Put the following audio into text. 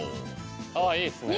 ああいいっすね